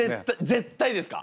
絶対ですか？